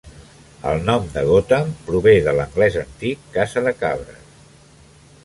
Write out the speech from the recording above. El nom de Gotham prové de l'anglès antic "casa de cabres".